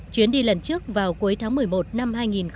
chuyến đi lần trước vào cuối tháng một mươi một năm hai nghìn hai